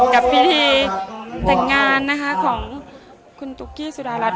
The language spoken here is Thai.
กับพิธีเต่งงานนะคะของคุณจูฟสูดารัส